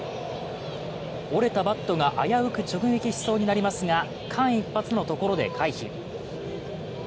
折れたバットが危うく直撃しそうになりますが、間一髪のところで回避。